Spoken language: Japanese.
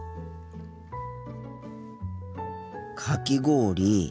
かき氷。